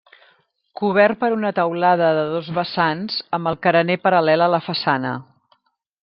Cobert per una teulada de dos vessants amb el carener paral·lel a la façana.